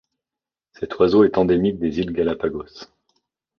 Cet oiseau est endémique des îles Galápagos.